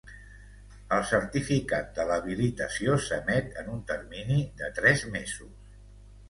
El certificat de l'habilitació s'emet en un termini de tres mesos.